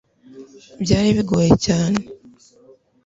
byari bigoye cyane